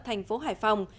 thành phố hải phòng